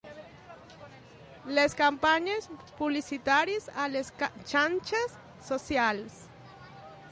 Les campanyes publicitàries a les xarxes socials.